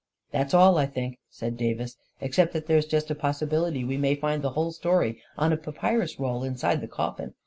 " That's all, I think," said Davis, " except that there's just a possibility we may find the whole story o i a papyrus roll inside the coffin.